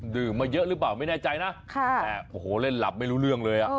มาเยอะหรือเปล่าไม่แน่ใจนะแต่โอ้โหเล่นหลับไม่รู้เรื่องเลยอ่ะ